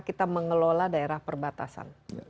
kita mengelola daerah perbatasan